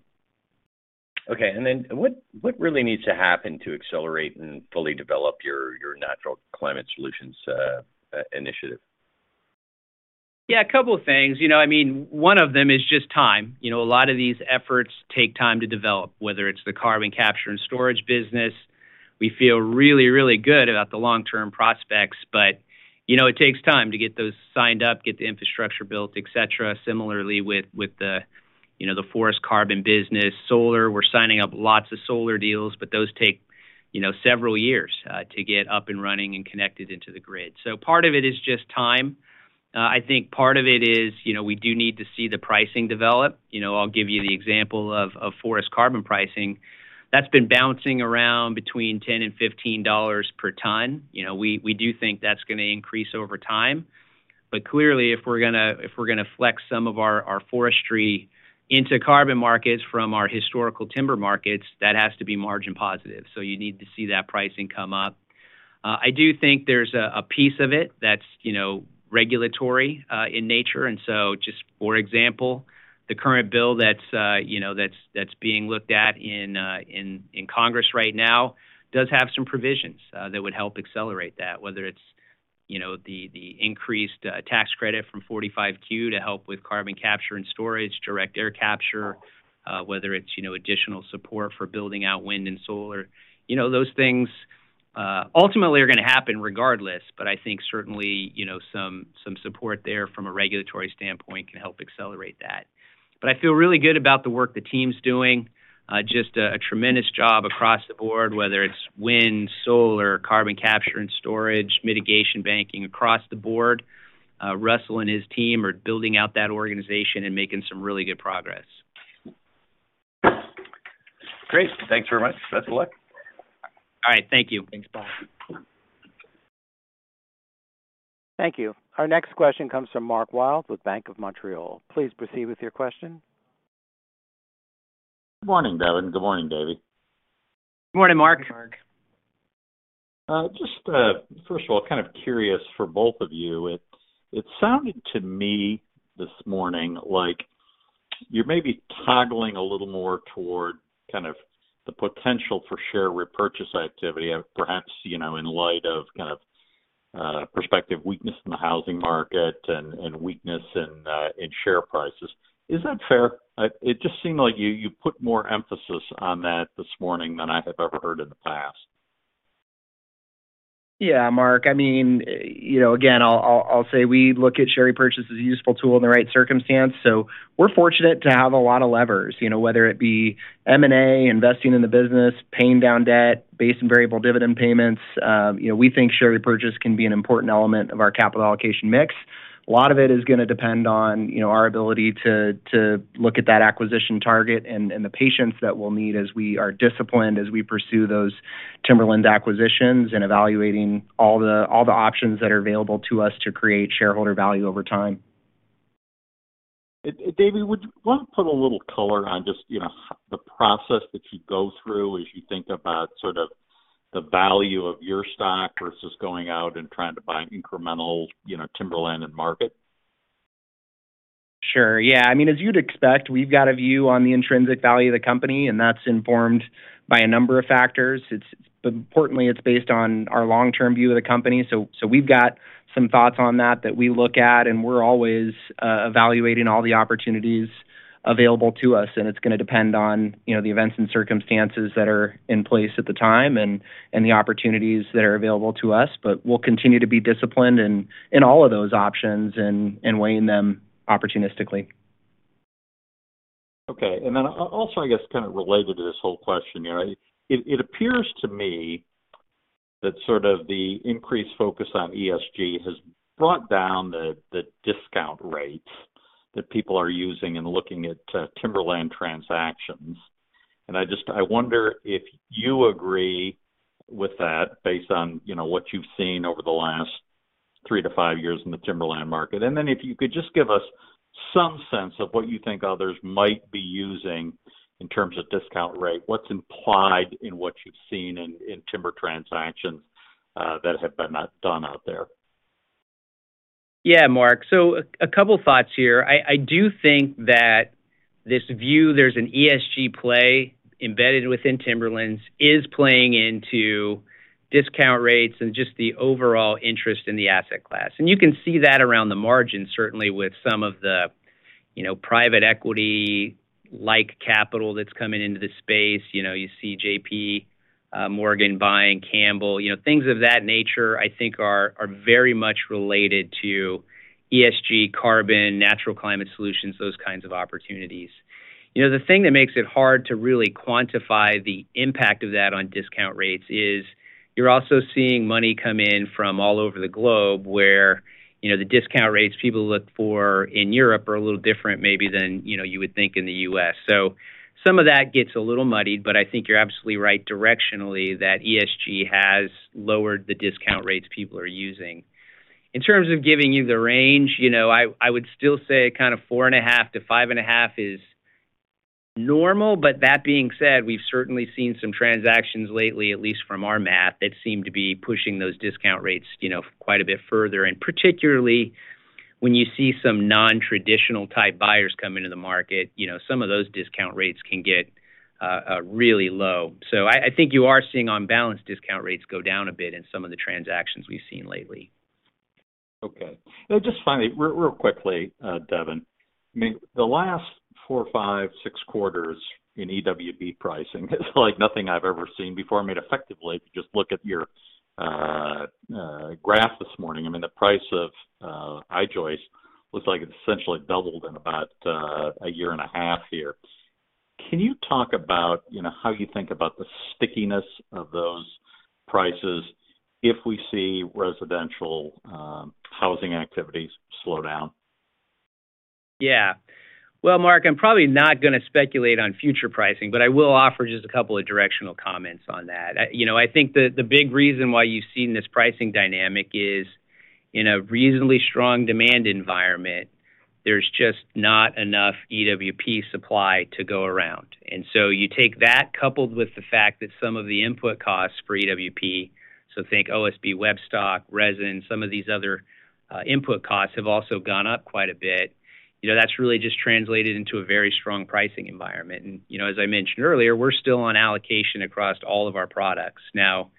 Okay. What really needs to happen to accelerate and fully develop your Natural Climate Solutions initiative? Yeah, a couple of things. I mean, one of them is just time. A lot of these efforts take time to develop, whether it's the carbon capture and storage business. We feel really, really good about the long-term prospects, but it takes time to get those signed up, get the infrastructure built, et cetera. Similarly, with the forest carbon business. Solar, we're signing up lots of solar deals, but those take several years, to get up and running and connected into the grid. So part of it is just time. I think part of it is we do need to see the pricing develop. I'll give you the example of forest carbon pricing. That's been bouncing around between $10 and $15 per ton. We do think that's gonna increase over time. Clearly, if we're gonna flex some of our forestry into carbon markets from our historical timber markets, that has to be margin positive, so you need to see that pricing come up. I do think there's a piece of it that's regulatory, in nature. Just for example, the current bill that's being looked at in Congress right now does have some provisions that would help accelerate that, whether it's the increased tax credit from 45Q to help with carbon capture and storage, direct air capture, whether it's additional support for building out wind and solar. Those things ultimately are gonna happen regardless, but I think certainly, some support there from a regulatory standpoint can help accelerate that. I feel really good about the work the team's doing. Just a tremendous job across the board, whether it's wind, solar, carbon capture and storage, mitigation banking across the board. Russell and his team are building out that organization and making some really good progress. Great. Thanks very much. Best of luck. All right. Thank you. Thanks, bye. Thank you. Our next question comes from Mark Wilde with BMO Capital Markets. Please proceed with your question. Good morning, Devin. Good morning, David. Good morning, Mark. Good morning, Mark. Just first of all, kind of curious for both of you. It sounded to me this morning like you're maybe toggling a little more toward kind of the potential for share repurchase activity, perhaps, in light of kind of prospective weakness in the housing market and weakness in share prices. Is that fair? It just seemed like you put more emphasis on that this morning than I have ever heard in the past. Yeah, Mark. I mean, again, I'll say we look at share repurchase as a useful tool in the right circumstance. We're fortunate to have a lot of levers, whether it be M&A, investing in the business, paying down debt, base and variable dividend payments. We think share repurchase can be an important element of our capital allocation mix. A lot of it is gonna depend on our ability to look at that acquisition target and the patience that we'll need as we are disciplined, as we pursue those timberlands acquisitions and evaluating all the options that are available to us to create shareholder value over time. David, would you want to put a little color on just the process that you go through as you think about sort of the value of your stock versus going out and trying to buy incremental, you know, timberland in the market? Sure, yeah. I mean, as you'd expect, we've got a view on the intrinsic value of the company, and that's informed by a number of factors. It's, importantly, it's based on our long-term view of the company. We've got some thoughts on that we look at, and we're always evaluating all the opportunities available to us, and it's gonna depend on, the events and circumstances that are in place at the time and the opportunities that are available to us. We'll continue to be disciplined in all of those options and weighing them opportunistically. Okay. Also, I guess, kind of related to this whole question, it appears to me that sort of the increased focus on ESG has brought down the discount rates that people are using in looking at timberland transactions. I wonder if you agree with that based on what you've seen over the last three-five years in the timberland market. If you could just give us some sense of what you think others might be using in terms of discount rate. What's implied in what you've seen in timber transactions that have been done out there? Yeah, Mark. A couple thoughts here. I do think that this view, there's an ESG play embedded within timberlands is playing into discount rates and just the overall interest in the asset class. You can see that around the margin, certainly with some of the, private equity-like capital that's coming into the space. You know, you see JPMorgan buying Campbell Global. Things of that nature, I think are very much related to ESG, carbon, Natural Climate Solutions, those kinds of opportunities. The thing that makes it hard to really quantify the impact of that on discount rates is you're also seeing money come in from all over the globe where the discount rates people look for in Europe are a little different maybe than you would think in the U.S. Some of that gets a little muddied, but I think you're absolutely right directionally that ESG has lowered the discount rates people are using. In terms of giving you the range, you know, I would still say kind of 4.5%-5.5% is normal. That being said, we've certainly seen some transactions lately, at least from our math, that seem to be pushing those discount rates, quite a bit further. Particularly when you see some non-traditional type buyers come into the market, you know, some of those discount rates can get really low. I think you are seeing on balance discount rates go down a bit in some of the transactions we've seen lately. Okay. Now just finally, real quickly, Devin, I mean, the last four, five, six quarters in EWP pricing is like nothing I've ever seen before. I mean, effectively, if you just look at your graph this morning, I mean, the price of I-joist looks like it essentially doubled in about a year and a half here. Can you talk about, you know, how you think about the stickiness of those prices if we see residential housing activities slow down? Yeah. Well, Mark, I'm probably not gonna speculate on future pricing, but I will offer just a couple of directional comments on that. I think the big reason why you've seen this pricing dynamic is in a reasonably strong demand environment, there's just not enough EWP supply to go around. So you take that coupled with the fact that some of the input costs for EWP, so think OSB web stock, resin, some of these other input costs have also gone up quite a bit. You know, that's really just translated into a very strong pricing environment. As I mentioned earlier, we're still on allocation across all of our products. Now,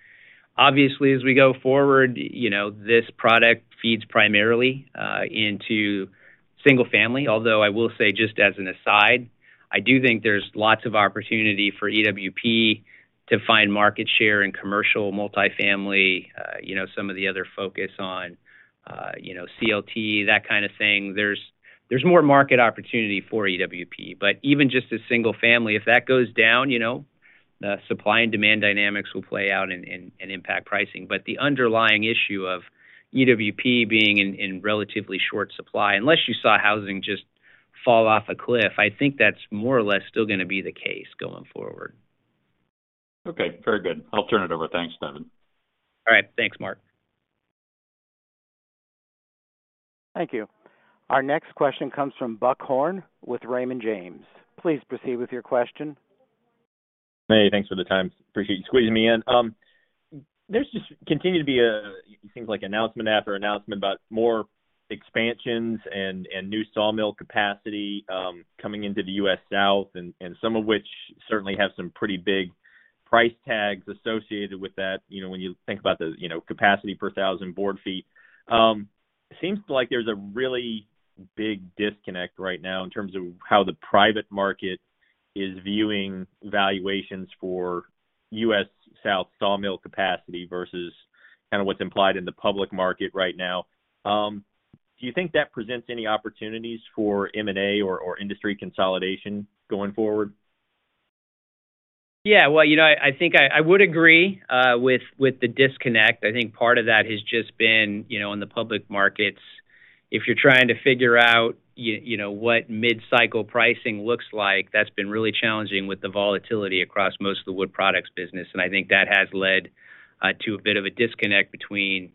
obviously, as we go forward, this product feeds primarily into single family, although I will say just as an aside, I do think there's lots of opportunity for EWP to find market share in commercial multifamily, some of the other focus on, you know, CLT, that kind of thing. There's more market opportunity for EWP. But even just as single family, if that goes down, the supply and demand dynamics will play out and impact pricing. But the underlying issue of EWP being in relatively short supply, unless you saw housing just fall off a cliff, I think that's more or less still gonna be the case going forward. Okay, very good. I'll turn it over. Thanks, Devin. All right, thanks Mark. Thank you. Our next question comes from Buck Horne with Raymond James. Please proceed with your question. Hey, thanks for the time. Appreciate you squeezing me in. There's just continued to be, it seems like, announcement after announcement about more expansions and new sawmill capacity coming into the U.S. South and some of which certainly have some pretty big price tags associated with that. You know, when you think about the, capacity per thousand board feet. Seems like there's a really big disconnect right now in terms of how the private market is viewing valuations for U.S. South sawmill capacity versus kinda what's implied in the public market right now. Do you think that presents any opportunities for M&A or industry consolidation going forward? Yeah. Well, I think I would agree with the disconnect. I think part of that has just been, you know, in the public markets, if you're trying to figure out what mid-cycle pricing looks like, that's been really challenging with the volatility across most of the wood products business, and I think that has led to a bit of a disconnect between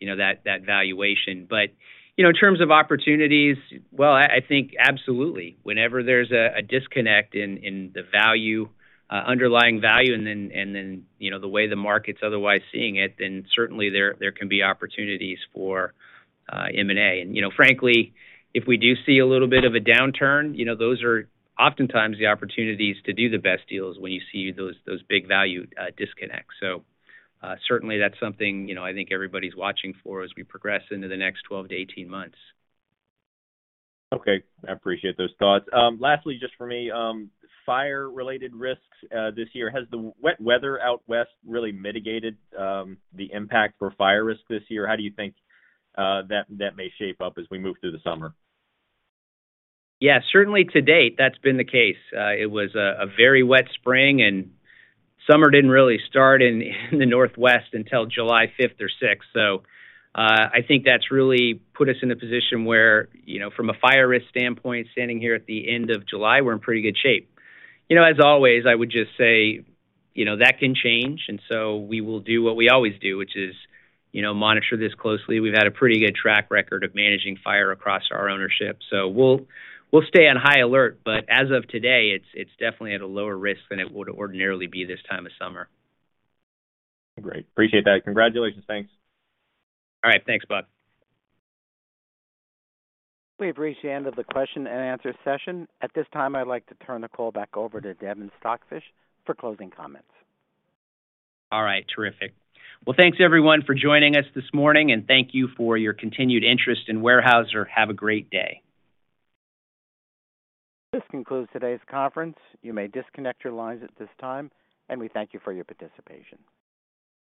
that valuation. In terms of opportunities, well, I think absolutely. Whenever there's a disconnect in the value underlying value and then, you know, the way the market's otherwise seeing it, then certainly there can be opportunities for M&A. Frankly, if we do see a little bit of a downturn, those are oftentimes the opportunities to do the best deals when you see those big value disconnects. Certainly that's something, I think everybody's watching for as we progress into the next 12-18 months. Okay. I appreciate those thoughts. Lastly, just for me, fire-related risks this year. Has the wet weather out west really mitigated the impact for fire risk this year? How do you think that may shape up as we move through the summer? Yeah. Certainly to date, that's been the case. It was a very wet spring, and summer didn't really start in the Northwest until July 5th or 6th. I think that's really put us in a position where, from a fire risk standpoint, standing here at the end of July, we're in pretty good shape. As always, I would just say, that can change, and so we will do what we always do, which is, monitor this closely. We've had a pretty good track record of managing fire across our ownership. We'll stay on high alert, but as of today, it's definitely at a lower risk than it would ordinarily be this time of summer. Great. Appreciate that. Congratulations. Thanks. All right. Thanks, Buck. We've reached the end of the question and answer session. At this time, I'd like to turn the call back over to Devin Stockfish for closing comments. All right. Terrific. Well, thanks everyone for joining us this morning, and thank you for your continued interest in Weyerhaeuser. Have a great day. This concludes today's conference. You may disconnect your lines at this time, and we thank you for your participation.